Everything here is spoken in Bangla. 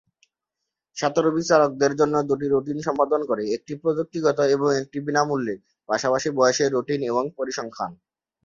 সাঁতারু বিচারকদের জন্য দুটি রুটিন সম্পাদন করে, একটি প্রযুক্তিগত এবং একটি বিনামূল্যে, পাশাপাশি বয়সের রুটিন এবং পরিসংখ্যান।